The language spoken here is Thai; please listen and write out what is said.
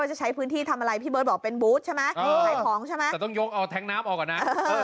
จะใช้พื้นที่ทำอะไรพี่เบิร์ตบอกเป็นบูธใช่ไหมขายของใช่ไหมแต่ต้องยกเอาแท้งน้ำออกก่อนนะ